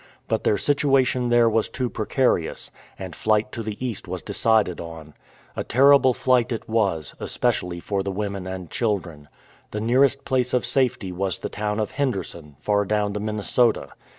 But their situation there was too precarious, and flight to the east was decided on, A terrible flight it was, especially for the women and children. The nearest place of safety was the town of Henderson, far down the Minnesota.